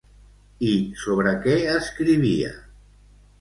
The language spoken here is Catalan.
I sobre què escrivia?